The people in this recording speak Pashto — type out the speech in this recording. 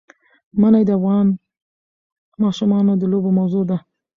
منی د افغان ماشومانو د لوبو موضوع ده.